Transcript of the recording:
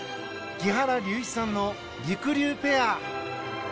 木原龍一さんのりくりゅうペア